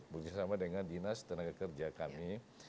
bekerjasama dengan dinas tenaga kerja kami